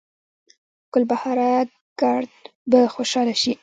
ګلبهاره ګړد به خوشحاله شي